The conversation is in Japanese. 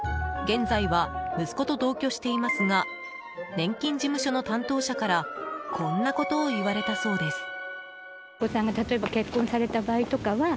現在は息子と同居していますが年金事務所の担当者からこんなことを言われたそうです。